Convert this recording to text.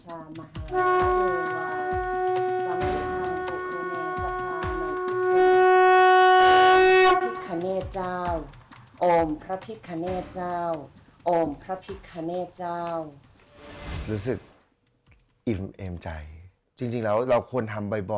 โอมพระพระเนชามหาธิวัฒน์